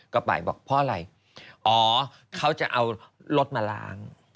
ก็ไปบอกเพราะอะไรอ๋อเขาจะเอารถมาล้าง